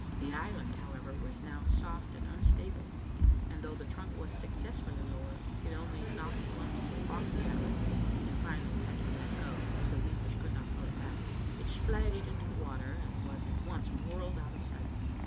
The island, howver, was now soft and unstable, and, though the trunk was successfully lowered, it only knocked lumps off the island, and finally it had to be let go, as the weavers could not pull it back. It splashed into the water, and was at once whirled out of sight.